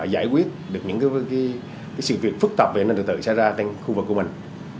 giải quyết được những sự việc phức tạp về hệ năng tự tử xảy ra trên khu vực của mình